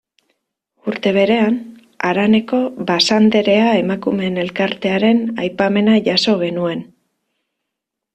Urte berean, haraneko Basanderea emakumeen elkartearen aipamena jaso genuen.